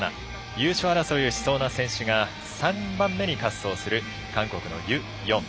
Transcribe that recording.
優勝争いをしそうな選手が３番目に滑走する韓国のユ・ヨン。